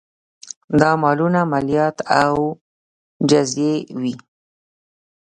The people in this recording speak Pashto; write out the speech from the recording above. دا مالونه مالیات او جزیې وې